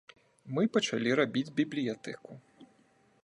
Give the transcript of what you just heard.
Мы пачалі рабіць бібліятэку.